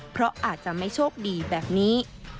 เพราะอาจจะไม่โชคดีแบบนี้